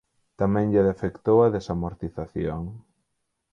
Tamén lle afectou a desamortización.